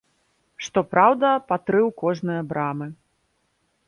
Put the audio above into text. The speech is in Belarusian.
Што праўда, па тры ў кожныя брамы.